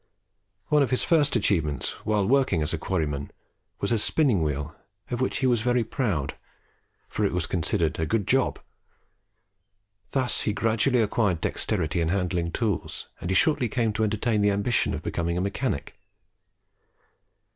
One of his first achievements, while working as a quarryman, was a spinning wheel, of which he was very proud, for it was considered "a good job." Thus he gradually acquired dexterity in handling tools, and he shortly came to entertain the ambition of becoming a mechanic.